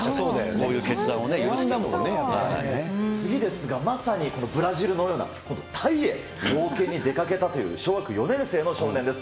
こういう決断を許すっていうのが次ですが、まさにこのブラジルのようなタイへ冒険に出かけたという、小学４年生の少年です。